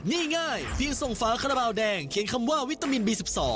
นี่ง่ายเพียงส่งฝาคาราบาลแดงเขียนคำว่าวิตามินบี๑๒